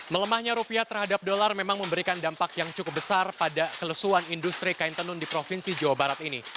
melemahnya rupiah terhadap dolar memang memberikan dampak yang cukup besar pada kelesuan industri kain tenun di provinsi jawa barat ini